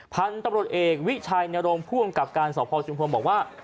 พันธุ์ตำรวจเอกวิชัยในโรงพูดกับการศาลพอร์ชุมภวมบอกว่า